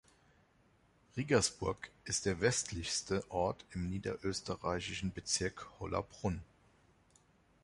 Riegersburg ist der westlichste Ort im niederösterreichischen Bezirk Hollabrunn.